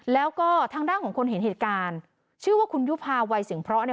แล้วก็ทางด้านของคนเห็นเหตุการณ์ชื่อว่าคุณยุภาวัยเสียงเพราะเนี่ย